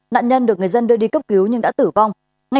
nạn nhân được người dân đưa đi cấp cứu nhưng đã tử vong